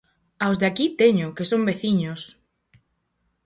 Aos de aquí, teño, que son veciños.